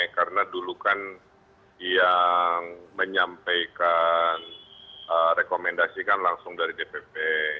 karena dulu kan yang menyampaikan rekomendasi kan langsung dari dpp